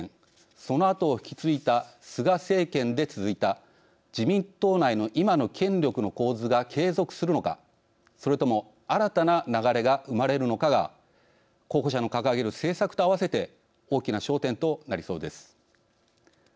そのあとを引き継いだ菅政権で続いた自民党内の今の権力の構図が継続するのかそれとも新たな流れが生まれるのかが候補者の掲げる政策とあわせて大きな焦点となりそうです。